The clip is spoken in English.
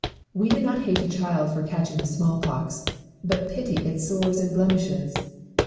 We do not hate a child for catching the small pox, but pity its sores and blemishes.